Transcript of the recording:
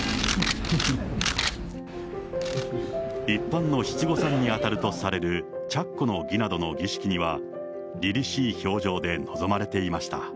一般の七五三に当たるとされる、着袴の儀などの儀式にはりりしい表情で臨まれていました。